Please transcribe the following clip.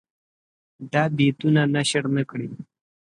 دا بیتونه نشر نه کړي.